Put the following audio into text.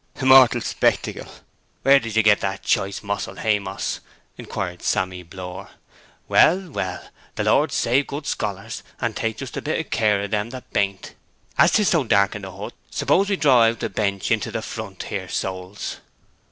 '"Immortal spectacle," where did ye get that choice mossel, Haymoss?' inquired Sammy Blore. 'Well, well, the Lord save good scholars and take just a bit o' care of them that bain't! As 'tis so dark in the hut, suppose we draw out the bench into the front here, souls?'